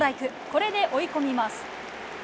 これで追い込みます。